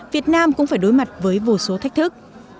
việt nam cũng phải đối mặt với vô số thách thức